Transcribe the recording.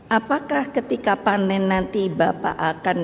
apakah ketika panen nanti bapak akan